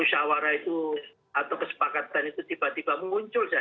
musyawarah itu atau kesepakatan itu tiba tiba muncul